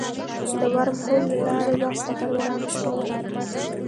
د ورم هول له لارې وخت سفر وړاندیز شوی.